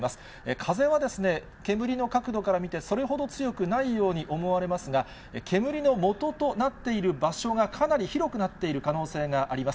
風は煙の角度から見て、それほど強くないように思われますが、煙のもととなっている場所がかなり広くなっている可能性があります。